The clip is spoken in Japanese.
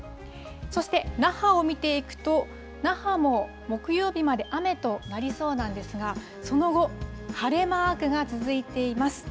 そして、那覇を見ていくと、那覇も木曜日まで雨となりそうなんですが、その後、晴れマークが続いています。